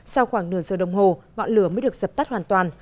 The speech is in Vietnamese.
sau khoảng nửa giờ đồng hồ ngọn lửa mới được dập tắt hoàn toàn